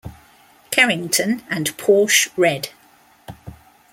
Kerrington, and Porsche Red.